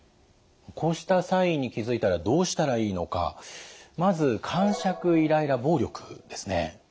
こうしたサインに気付いたらどうしたらいいのかまずかんしゃくイライラ暴力ですね。